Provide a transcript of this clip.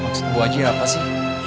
maksud bu aji apa sih